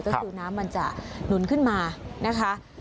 ก็คือน้ำมันจะหนุนขึ้นมานะคะ